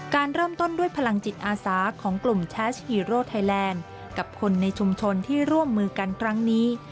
การเริ่มต้นด้วยพลังจิตอาสาของกลุ่มแชชีโร่ไทยแลนด์กับคนในชุมชนที่ร่วมมือกันครั้งนี้